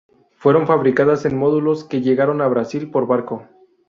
Fueron fabricadas en módulos que llegaron a Brasil por barco.